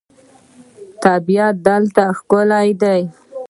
طبیعت هلته ښکلی دی.